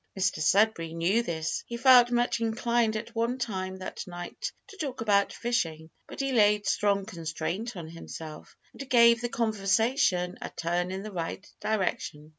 Mr Sudberry knew this; he felt much inclined at one time that night to talk about fishing, but he laid strong constraint on himself; and gave the conversation a turn in the right direction.